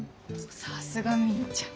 さすがみーちゃん。